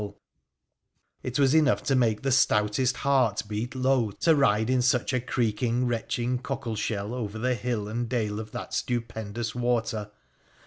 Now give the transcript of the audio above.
230 WONDERFUL ADVENTURES OF It was enough to make the stoutest heart beat low to ride in such a creaking, retching cockle shell over the hill and dale of that stupendous water.